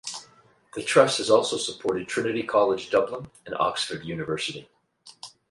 The trust has also supported Trinity College Dublin and Oxford University.